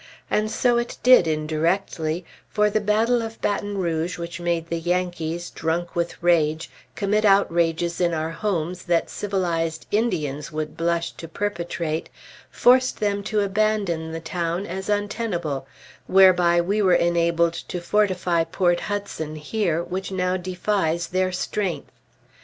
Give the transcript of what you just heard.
And so it did, indirectly; for the battle of Baton Rouge which made the Yankees, drunk with rage, commit outrages in our homes that civilized Indians would blush to perpetrate, forced them to abandon the town as untenable, whereby we were enabled to fortify Port Hudson here, which now defies their strength.